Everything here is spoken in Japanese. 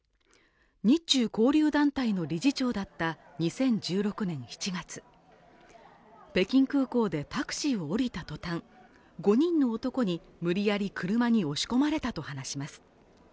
日中交流団体の理事長だった２０１６年７月北京空港でタクシーを降りた途端５人の男に無理やり車に押し込まれたと話します